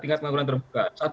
tingkat pengangguran terbuka